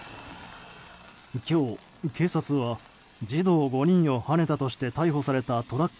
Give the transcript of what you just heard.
今日警察は、児童５人をはねたとして逮捕されたトラック